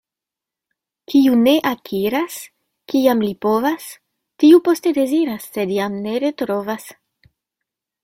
Kiu ne akiras, kiam li povas, tiu poste deziras, sed jam ne retrovas.